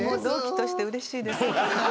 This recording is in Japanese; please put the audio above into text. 同期としてうれしいです。